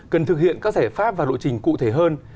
cần thực hiện các giải pháp và lộ trình cụ thể hơn